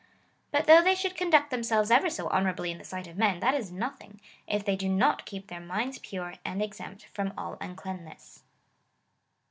But though they should conduct them selves ever so honourably in the sight of men, that is nothing, if they do not keej) their minds pure and exempt from all uncleanness.